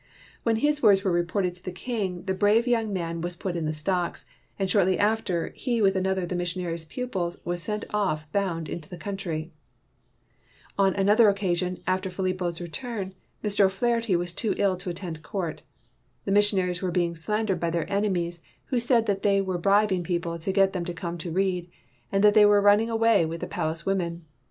When his words were reported to the king, the brave young man was put in the stocks ; and shortly after he with another of the missionaries ' pupils was sent off bound into the country. 164 TEACHING MAKES NEW MEN On another occasion, after Philipo's re turn, Mr. O 'Flaherty was too ill to attend court. The missionaries were being slan dered by their enemies who said that they were bribing people to get them to come to read, and that they were running away with the palace women.